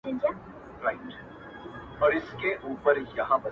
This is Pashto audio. تل دي ښاد وي پر دنیا چي دي دوستان وي،